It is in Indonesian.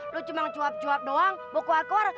lo cuma ngecuap cuap doang mau keluar keluar